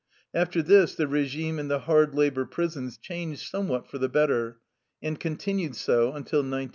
After this the regime in the hard labor prisons changed somewhat for the better, and continued so until 1910.